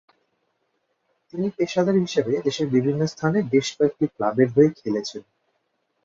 তিনি পেশাদার হিসাবে দেশের বিভিন্ন স্থানে বেশ কয়েকটি ক্লাবের হয়ে খেলেছেন।